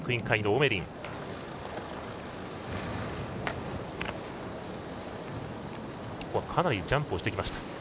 かなりジャンプをしてきました。